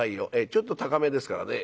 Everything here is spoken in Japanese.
ちょっと高めですからね。